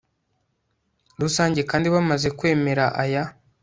rusange kandi bamaze kwemera aya